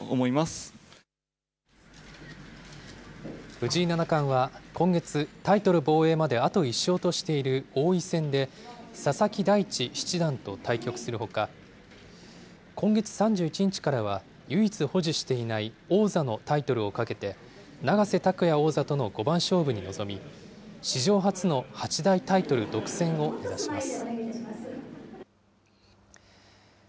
藤井七冠は今月、タイトル防衛まであと１勝としている王位戦で、佐々木大地七段と対局するほか、今月３１日からは、唯一保持していない王座のタイトルをかけて、永瀬拓矢王座との五番勝負に臨み、史上初の八大タイトル独占を目指します。